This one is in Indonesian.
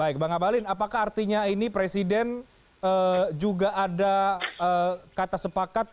baik bang abalin apakah artinya ini presiden juga ada kata sepakat